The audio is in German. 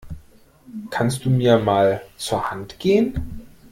Kannst du mir mal zur Hand gehen?